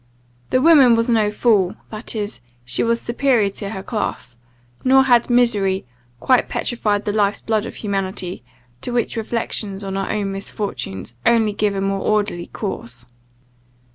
The woman was no fool, that is, she was superior to her class; nor had misery quite petrified the life's blood of humanity, to which reflections on our own misfortunes only give a more orderly course.